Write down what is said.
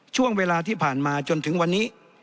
ช่วงเวลาที่ผ่านมาจนถึงวันนี้